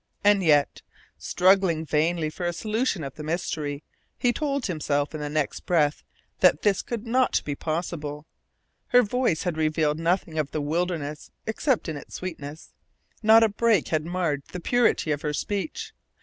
And yet, struggling vainly for a solution of the mystery, he told himself in the next breath that this could not be possible. Her voice had revealed nothing of the wilderness except in its sweetness. Not a break had marred the purity of her speech.